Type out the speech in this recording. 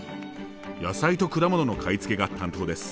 野菜と果物の買い付けが担当です。